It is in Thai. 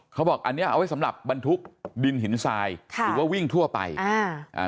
เขาบอกอันเนี้ยเอาไว้สำหรับบรรทุกดินหินทรายค่ะหรือว่าวิ่งทั่วไปอ่าอ่า